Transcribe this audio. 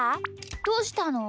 どうしたの？